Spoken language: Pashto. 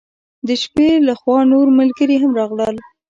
د شپې له خوا نور ملګري هم راغلل.